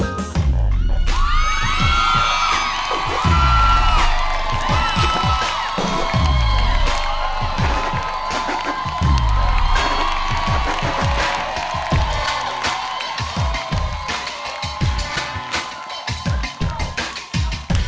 กลับเลย